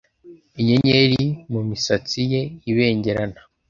inyenyeri mumisatsi ye ibengerana